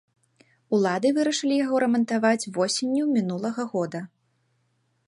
Улады вырашылі яго рамантаваць восенню мінулага года.